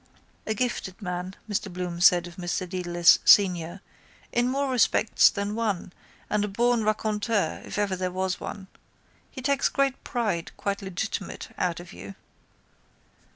—A gifted man, Mr Bloom said of Mr Dedalus senior, in more respects than one and a born raconteur if ever there was one. He takes great pride, quite legitimate, out of you.